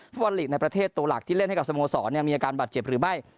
ฟุตบอลลีกในประเทศตัวหลักที่เล่นให้กับสโมสรมีอาการบาดเจ็บหรือไม่